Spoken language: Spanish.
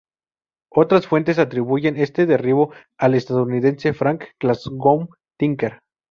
Otras fuentes atribuyen este derribo al estadounidense Frank Glasgow Tinker.